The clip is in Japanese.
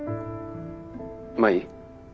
舞？